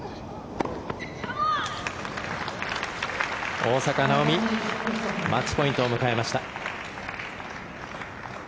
大坂なおみマッチポイントを迎えました。